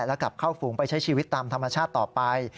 และกลับเข้าฝูงไปใช้ชีวิตตามธรรมชาติต่อไป